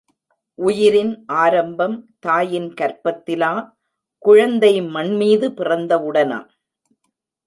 உயிரின் ஆரம்பம் தாயின் கர்ப்பத்திலா, குழந்தை மண்மீது பிறந்தவுடனா.